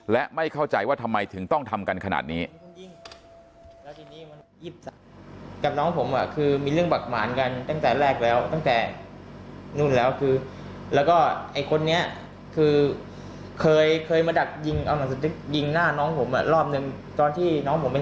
และไม่เข้าใจว่าทำไมถึงต้องทำกันขนาดนี้